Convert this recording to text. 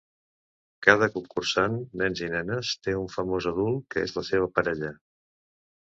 Cada concursant, nens i nenes, té un famós adult que és la seva parella.